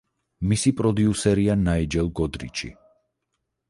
მისი პროდიუსერია ნაიჯელ გოდრიჩი.